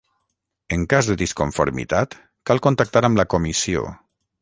En cas de disconformitat cal contactar amb la Comissió.